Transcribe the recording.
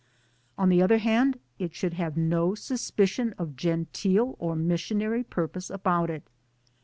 On the other hand it should have no suspicion of genteel or missionary purpose about it.